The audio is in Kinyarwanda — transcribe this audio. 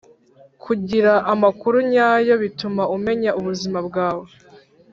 kugira amakuru nyayo bituma umenya ubuzima bwawe,